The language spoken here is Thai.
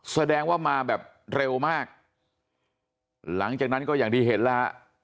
แสดงว่ามาแบบเร็วมากหลังจากนั้นก็อย่างที่เห็นแล้วฮะ